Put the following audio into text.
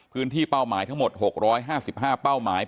พื้นที่เป้าหมายทั้งหมดหกร้อยห้าสิบห้าเป้าหมาย